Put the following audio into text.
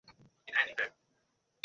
তুই জানিস এসবে আমি পাত্তা দেই না?